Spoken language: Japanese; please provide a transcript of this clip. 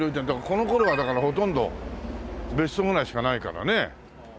この頃はだからほとんど別荘ぐらいしかないからね。